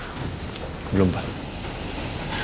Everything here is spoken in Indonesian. ya kan berlebihan ya pak ya